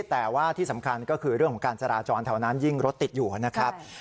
แต่ว่าที่สำคัญก็คือเรื่องของการจราจรแถวนั้นยิ่งรถติดอยู่นะครับ